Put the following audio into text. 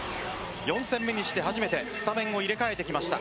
４戦目にして、初めてスタメンを入れ替えてきました。